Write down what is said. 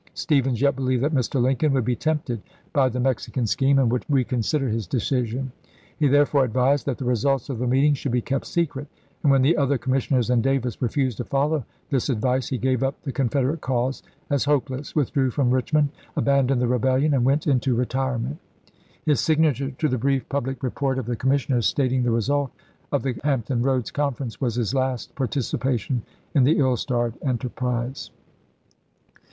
Stephens yet believed that Mr. Lincoln would be tempted by the Mexican scheme and would reconsider his decision. He therefore advised that the results of the meeting should be kept secret; and when the other commissioners and Davis refused to follow this advice, he gave up the Confederate cause as hopeless, withdrew from st^J8 Richmond, abandoned the rebellion, and went into theestaS" retirement. His signature to the brief public report pj.^k ek of the commissioners stating the result of the Hamp ton Roads Conference was his last participation in the ill starred enterprise.